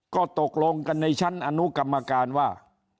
ก็ตกลงกันในชั้นอนุกรรมการว่า